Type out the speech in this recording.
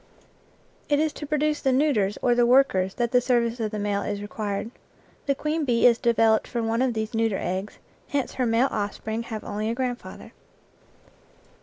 It is to produce the neuters or the workers that the service of the male is required. The queen bee is developed from one of these neuter eggs, hence her male offspring have only a grandfather.